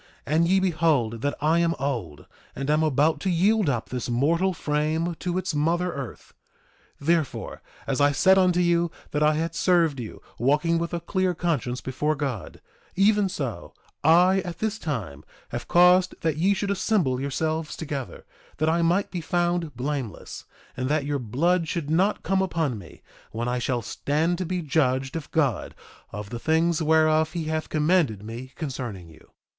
And ye behold that I am old, and am about to yield up this mortal frame to its mother earth. 2:27 Therefore, as I said unto you that I had served you, walking with a clear conscience before God, even so I at this time have caused that ye should assemble yourselves together, that I might be found blameless, and that your blood should not come upon me, when I shall stand to be judged of God of the things whereof he hath commanded me concerning you.